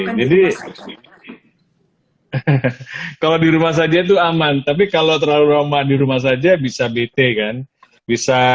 kalau di rumah saja tuh aman tapi kalau terlalu ramah di rumah saja bisa bete kan bisa